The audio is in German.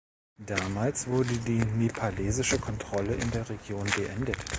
Damals wurde die nepalesische Kontrolle in der Region beendet.